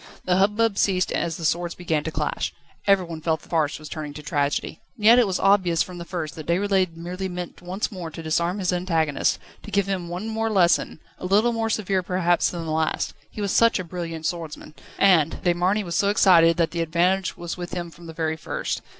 The hubbub ceased as the swords began to clash. Everyone felt that farce was turning to tragedy. And yet it was obvious from the first that Déroulède merely meant once more to disarm his antagonist, to give him one more lesson, a little more severe perhaps than the last. He was such a brilliant swordsman, and De Marny was so excited, that the advantage was with him from the very first.